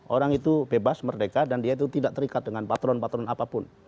orang itu bebas merdeka dan dia itu tidak terikat dengan patron patron apapun